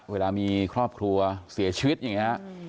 เวลามีครอบครัวเสียชีวิตอย่างนี้